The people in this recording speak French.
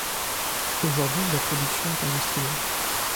Aujourd’hui la production est industrielle.